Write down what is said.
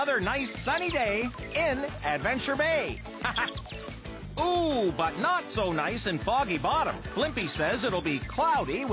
ライバール